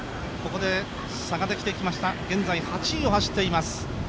ここで差が出てきました現在、８位を走っています。